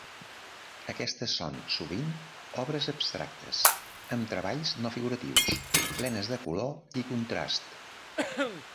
Aquestes són sovint obres abstractes, amb treballs no figuratius, plenes de color i contrast.